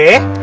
eh pak d